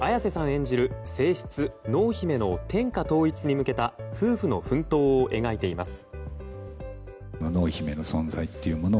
演じる正室・濃姫の天下統一に向けた夫婦の奮闘を描いています。